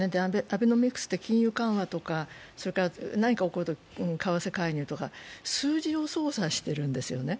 アベノミクスって金融緩和とか、何か起こると為替介入とか数字を操作しているんですよね。